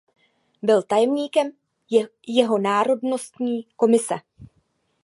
Byl tajemníkem jeho národnostní komise.